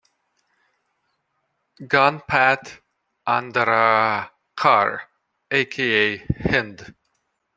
Gunpat Andarakar aka Hind.